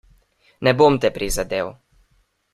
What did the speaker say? Ne bom te prizadel.